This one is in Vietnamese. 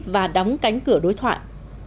và đóng cánh cửa đối thoại